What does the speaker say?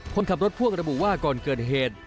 คนขับรถพ่วงระบุว่าก่อนเกิดเหตุ